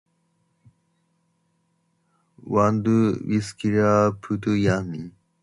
w'andu w'isesikira putu yani.